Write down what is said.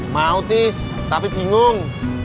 mau tis tapi bingung